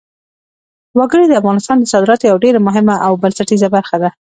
وګړي د افغانستان د صادراتو یوه ډېره مهمه او بنسټیزه برخه ده.